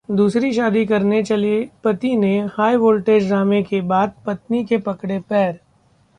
दूसरी शादी करने चले पति ने हाईवोल्टेज ड्रामे के बाद पत्नी के पकड़े पैर